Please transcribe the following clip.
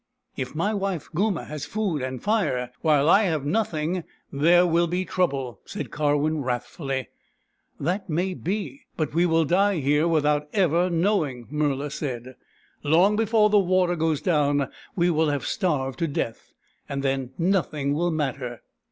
" If my wife Goomah has food and fire, while I have nothing, there will be trouble," said Karwin wrathfully. " That may be, but we will die here without ever knowing," Murla said. " Long before the water goes down we will have starved to death, and then nothing will matter."